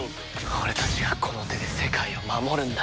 俺たちがこの手で世界を守るんだ。